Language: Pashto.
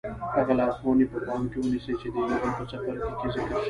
هغه لارښوونې په پام کې ونيسئ چې د ايمان په څپرکي کې ذکر شوې.